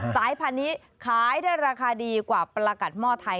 สายพันธุ์นี้ขายได้ราคาดีกว่าปลากัดหม้อไทย